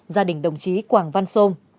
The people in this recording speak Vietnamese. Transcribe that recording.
gia đình đồng chí quảng văn sôm